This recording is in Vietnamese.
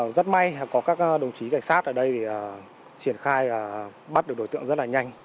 rất may có các đồng chí cảnh sát ở đây triển khai và bắt được đối tượng rất là nhanh